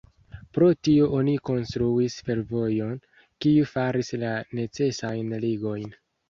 Pro tio oni konstruis fervojon, kiu faris la necesajn ligojn.